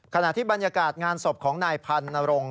ขณะที่บรรยากาศงานศพของนายพันนรงค